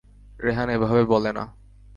রেহান এভাবে বলে না।